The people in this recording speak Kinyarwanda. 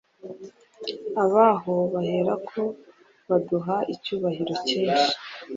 Abaho baherako baduha icyubahiro cyinshi,